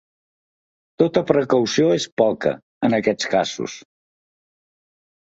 Tota precaució és poca, en aquests casos.